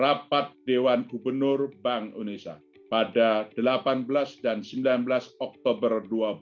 rapat dewan gubernur bank indonesia pada delapan belas dan sembilan belas oktober dua ribu dua puluh